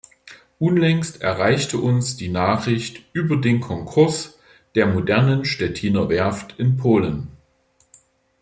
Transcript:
Unlängst erreichte uns die Nachricht über den Konkurs der modernen Szczeciner Werft in Polen.